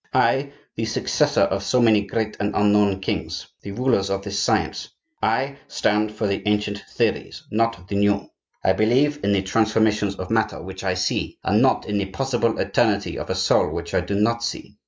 I, the successor of so many great and unknown kings, the rulers of this science, I stand for the ancient theories, not the new. I believe in the transformations of matter which I see, and not in the possible eternity of a soul which I do not see.